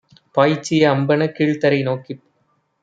பாய்ச்சிய அம்பெனக் கீழ்த்தரை நோக்கிப்